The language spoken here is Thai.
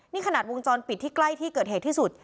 นี่ขนาดวงจรปิดที่ใกล้ที่เกิดเหตุที่สุด